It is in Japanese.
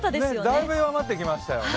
だいぶ弱まってきましたよね。